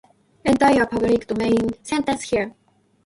Enter your public domain sentence here